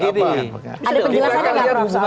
ada penjelasannya gak prof